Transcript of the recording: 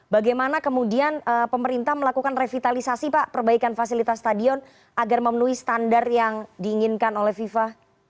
bagaimana kemudian pemerintah melakukan revitalisasi pak perbaikan fasilitas stadion agar memenuhi standar yang diinginkan oleh fifa